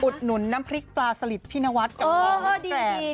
หนุนน้ำพริกปลาสลิดพี่นวัดกับพ่อดี